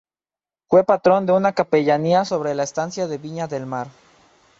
Fue patrón de una Capellanía sobre la estancia de Viña del Mar.